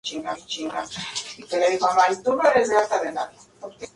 Se trataba de una construcción de planta rectangular con dos torres anexas.